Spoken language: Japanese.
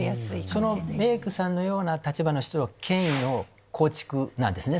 そのメイクさんのような立場の人は権威の構築なんですね